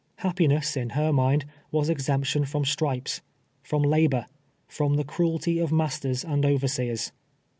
Happiness, in her mind, was ex emption from stripes — from labor — from the cruelty of masters and overseers.